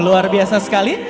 luar biasa sekali